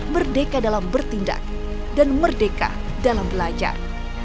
merdeka dalam bertindak dan merdeka dalam belajar